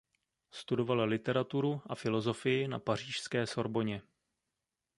Studoval literaturu a filozofii na pařížské Sorbonně.